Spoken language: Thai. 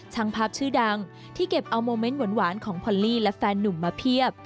ช่างภาพชื่อดังที่เก็บเอาโมเมนต์หวานของพอลลี่และแฟนนุ่มมาเพียบ